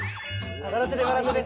笑ってて笑ってて。